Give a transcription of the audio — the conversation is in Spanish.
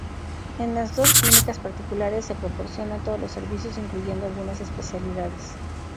En las dos clínicas particulares se proporcionan todos los servicios incluyendo algunas especialidades.